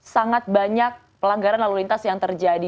sangat banyak pelanggaran lalu lintas yang terjadi